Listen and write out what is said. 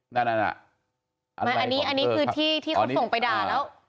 นั่นอ่ะไม่อันนี้อันนี้คือที่ที่เขาส่งไปด่าแล้ว